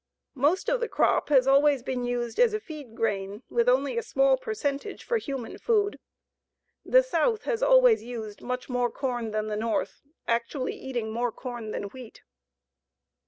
Most of the crop has always been used as a feed grain, with only a small percentage for human food. The South has always used much more corn than the North, actually eating more corn than wheat.